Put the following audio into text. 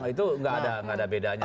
itu enggak ada bedanya